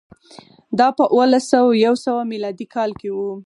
دا په اووه لس او یو سوه میلادي کال کې و